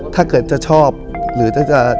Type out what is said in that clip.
ถ้าเกิดจะชอบหรือถ้าจะ